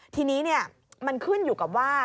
ทีนี้มันขึ้นอยู่กับว่า